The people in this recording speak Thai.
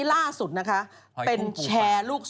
สวัสดีค่าข้าวใส่ไข่